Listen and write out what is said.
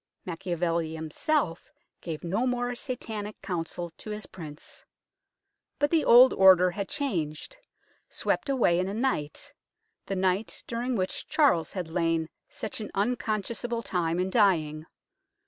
Machiavelli himself gave no more Satanic counsel to his Prince. But the old order had changed, swept away in a night the night during which Charles had lain such an un conscionable time in dying.